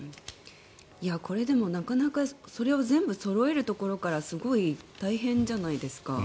これでもなかなかそれを全部そろえるところからすごい大変じゃないですか。